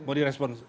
boleh di respon